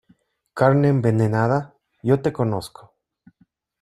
carne envenenada. yo te conozco .